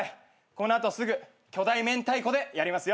この後すぐ巨大めんたいこでやりますよ。